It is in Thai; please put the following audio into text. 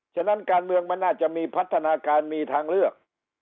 ฉะนั้นการเมืองมันน่าจะมีพัฒนาการมีทางเลือก